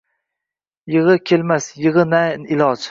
Yigʼi kelmas, yigʼi, na iloj